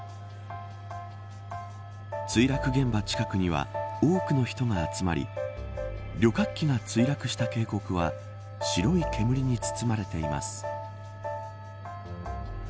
墜落現場近くには多くの人が集まり旅客機が墜落した渓谷は白い煙に包まれています。